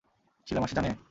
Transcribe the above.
শিলা মাসি জানে?